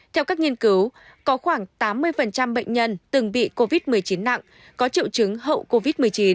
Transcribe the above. theo các nghiên cứu có khoảng tám mươi bệnh nhân từng bị covid một mươi chín nặng có triệu chứng hậu covid một mươi chín